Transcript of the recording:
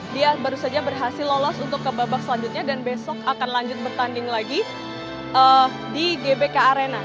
dia baru saja berhasil lolos untuk ke babak selanjutnya dan besok akan lanjut bertanding lagi di gbk arena